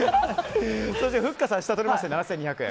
そしてふっかさんは下をとりまして７２００円。